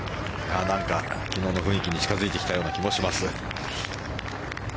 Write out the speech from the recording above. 昨日の雰囲気に近づいてきたような気もします。